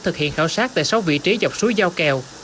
thực hiện khảo sát tại sáu vị trí dọc suối giao kèo